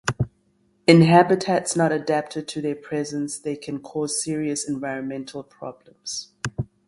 In habitats not adapted to their presence they can cause serious environmental problems.